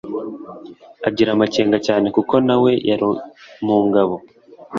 agira amakenga cyane kuko nawe yari mu ngabo